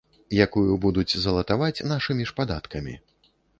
Якую будуць залатваць нашымі ж падаткамі.